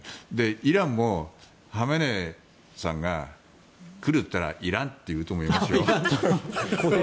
イランもハメネイさんが来ると言ったらいらんと言うと思いますよ。